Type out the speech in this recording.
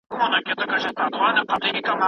موږ درس ته غوږ نيسو.